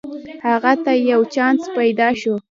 هغه ته یو چانس پیداشو